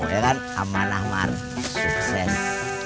ya kan aman aman sukses